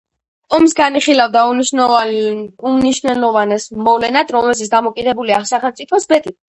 ომს განიხილავდა უმნიშვნელოვანეს მოვლენად, რომელზეც დამოკიდებულია სახელმწიფოს ბედი.